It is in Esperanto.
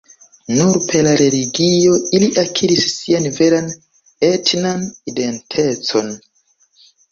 Nur per la religio ili akiris sian veran etnan identecon.